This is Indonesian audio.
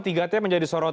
tiga t menjadi sorotan